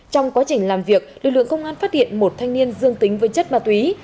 trong quá trình làm việc lực lượng công an phát hiện một thanh niên dương tính với chất ma túy